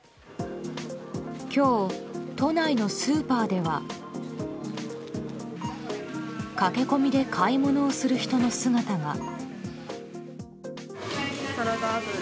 今日、都内のスーパーでは駆け込みで買い物をする人の姿が。